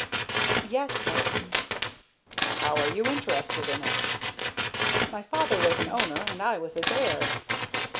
"Yes, sir." "How are you interested in it?" "My father was an owner, and I am his heir."